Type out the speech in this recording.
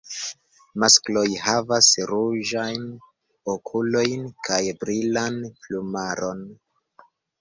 Maskloj havas ruĝajn okulojn kaj brilan plumaron.